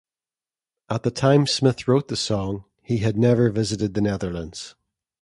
At the time Smith wrote the song, he had never visited the Netherlands.